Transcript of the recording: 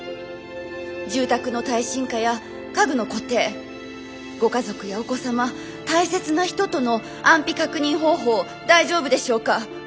住宅の耐震化や家具の固定ご家族やお子様大切な人との安否確認方法大丈夫でしょうか。